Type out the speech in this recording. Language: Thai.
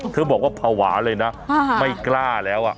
บอกว่าภาวะเลยนะไม่กล้าแล้ว